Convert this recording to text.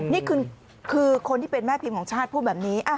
นี่คือคนที่เป็นแม่พิมพ์ของชาติพูดแบบนี้